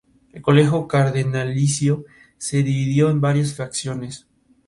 La construcción es de piedra muy sólida y la organización espacial sencilla.